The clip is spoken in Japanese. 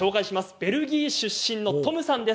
ベルギー出身のトムさんです。